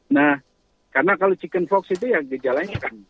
nah karena kalau chicken fox itu ya gejalanya kan